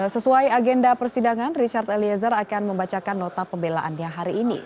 sesuai agenda persidangan richard eliezer akan membacakan nota pembelaannya hari ini